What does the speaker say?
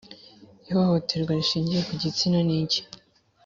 Ihohoterwa rishingiye ku gitsina ni iki